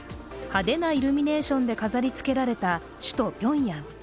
派手なイルミネーションで飾りつけられた首都ピョンヤン。